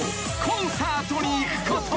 コンサートに行くこと］